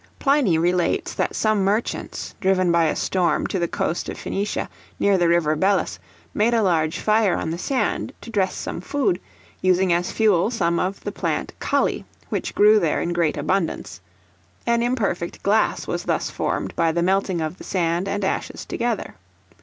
Pliny relates that some merchants, driven by a storm to the coast of Phenicia, near the river Belus, made a large fire on the sand to dress some food, using as fuel some of the plant Kali, which grew there in great abundance; an imperfect glass was thus formed by the melting of the sand and ashes together.